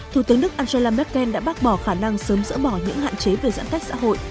thủ tướng đức angela merkel đã bác bỏ khả năng sớm dỡ bỏ những hạn chế về giãn cách xã hội